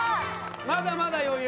まだまだ余裕。